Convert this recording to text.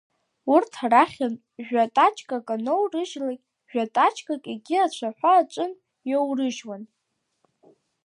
Урҭ арахьынтә жәа-тачкак аноурыжьлак, жәа-тачкак егьи ацәаҳәа аҿынтә иоурыжьуан.